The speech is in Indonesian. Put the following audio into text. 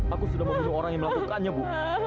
aku sudah memilih orang yang melakukannya bu